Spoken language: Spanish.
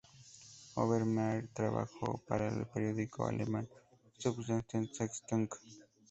Obermaier trabajó para el periódico alemán Süddeutsche Zeitung.